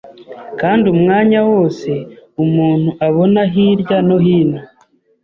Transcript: Kandi umwanya wose umuntu abona hirya no hino